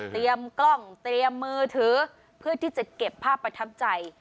กล้องเตรียมมือถือเพื่อที่จะเก็บภาพประทับใจ